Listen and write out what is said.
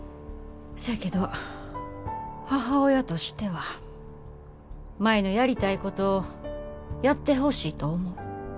そやけど母親としては舞のやりたいことやってほしいと思う。